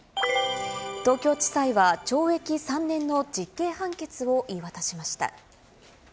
東京地裁は懲役３年の実刑判決を言い渡しました。